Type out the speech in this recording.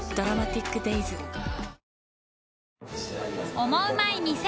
「オモウマい店」